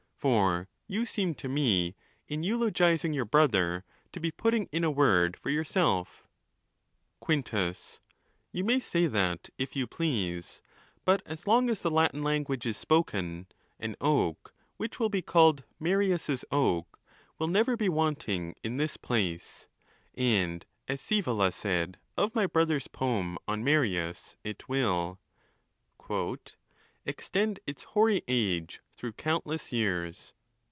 For you seem to me, in eulogizing your brother, to be putting in a word for yourself, Quintus.—You may say that if you please, but as long as the Latin language is spoken, an oak which will be called Marius's oak will never be wanting in this place ; and as Sceevola said of my brother's poem on Marius, it will Extend its hoary age through countless years.